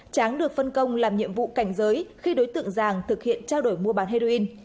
tráng được phân công làm nhiệm vụ cảnh giới khi đối tượng giàng thực hiện trao đổi mua bán heroin